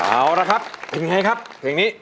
เอาละครับเป็นไงครับเพลงนี้